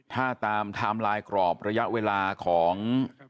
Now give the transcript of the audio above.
ถ้าตามไทม์ไลน์กรอบระยะเวลาของ